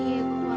iya saya keluar